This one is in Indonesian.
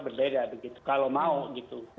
berbeda kalau mau gitu